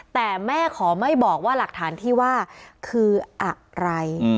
แต่แม่ขอไม่บอกว่าหลักฐานที่ว่าคืออะไร